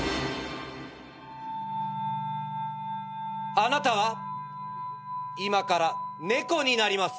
あなたは今から猫になります。